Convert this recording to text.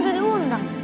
kalian gak diundang